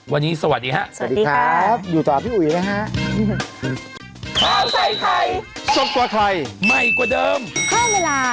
วันนี้สวัสดีครับสวัสดีค่ะอยู่ต่อพี่อุ๋ยนะฮะสวัสดีครับ